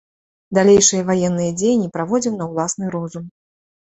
Далейшыя ваенныя дзеянні праводзіў на ўласны розум.